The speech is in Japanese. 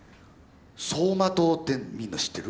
走馬灯って見るの知ってる？